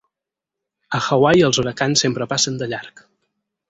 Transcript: A Hawaii els huracans sempre passen de llarg.